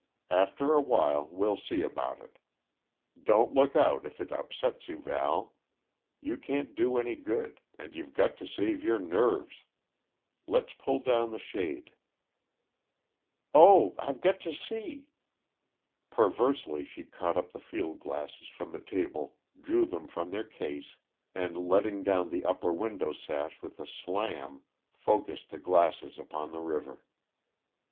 After awhile we'll see about it. Don't look out, if it upsets you, Val. You can't do any good, and you've got to save your nerves. Let pull down the shade " "Oh, I've got to see!" Perversely, she caught up the field glasses from the table, drew them from their case, and, letting down the upper window sash with a slam, focused the glasses upon the river.